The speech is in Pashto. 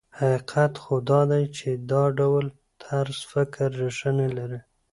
حقیقت خو دا دی چې دا ډول طرز فکر ريښه نه لري.